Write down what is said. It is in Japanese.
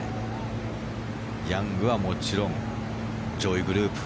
ヤングはもちろん上位グループ。